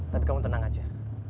tapi kamu tenang aja